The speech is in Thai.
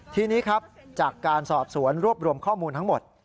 ทีนี้ครับจากการสอบสวนรวบรวมข้อมูลทั้งหมด